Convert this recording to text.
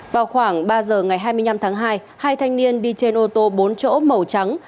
vào khoảng ba giờ ngày hai mươi năm tháng hai hai thanh niên đi trên ô tô bốn chỗ màu trắng